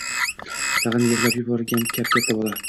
Tagʻin yigʻlab yubormagin kap-katta bola.